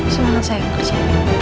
semangat sayang kerja